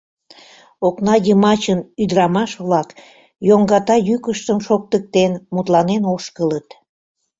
Окна йымачын ӱдырамаш-влак, йоҥгата йӱкыштым шоктыктен, мутланен ошкылыт.